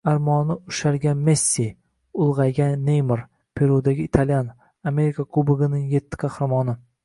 Armoni ushalgan Messi, ulg‘aygan Neymar, Perudagi italyan. Amerika Kuboginingyettiqahramoni